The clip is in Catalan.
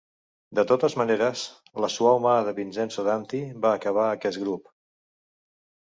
De totes maneres, la suau mà de Vincenzo Danti va acabar aquest grup.